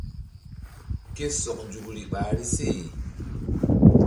Ke sɔk nzukri ɓahri se.